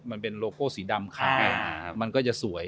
มันเป็นโลโก้สีดำขายมันก็จะสวย